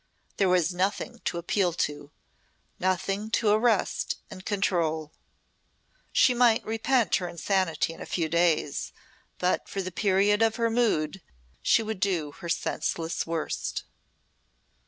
There was nothing to appeal to nothing to arrest and control. She might repent her insanity in a few days but for the period of her mood she would do her senseless worst.